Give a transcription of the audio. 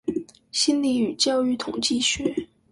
心理與教育統計學